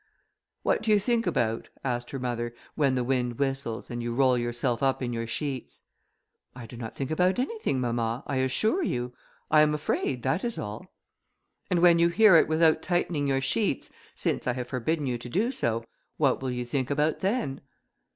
"What do you think about," asked her mother, "when the wind whistles, and you roll yourself up in your sheets?" "I do not think about anything, mamma, I assure you; I am afraid, that is all." "And when you hear it without tightening your sheets, since I have forbidden you to do so, what will you think about then?"